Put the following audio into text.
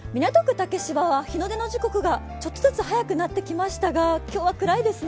竹芝は日の出の時刻がちょっとずつ早くなってきましたが今日は暗いですね。